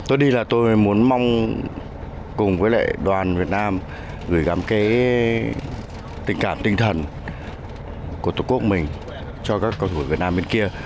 tôi đi là tôi muốn mong cùng với lại đoàn việt nam gửi gắm cái tình cảm tinh thần của tổ quốc mình cho các cầu thủ việt nam bên kia